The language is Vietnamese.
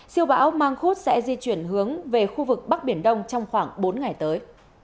siêu bão mang khúc sẽ di chuyển hướng về khu vực bắc biển đông trong khoảng bốn ngày tới